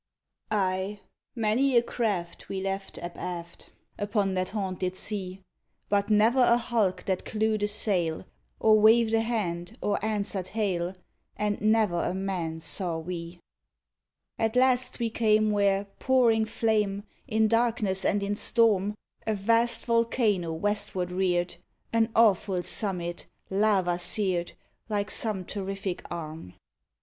Ay! many a craft we left abaft Upon that haunted sea; But never a hulk that clewed a sail, Or waved a hand, or answered hail, And never a man saw we. At last we came where pouring flame In darkness and in storm, A vast volcano westward reared An awful summit, lava seared, Like some terrific arm.